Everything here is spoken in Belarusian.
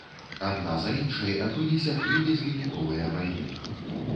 Адна за іншай адбыліся тры безвыніковыя вайны.